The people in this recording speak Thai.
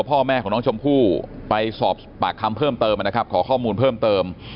พ่อแม่ของน้องชมพู่ไปสอบปากคำเพิ่มเติมนะครับขอข้อมูลเพิ่มเติม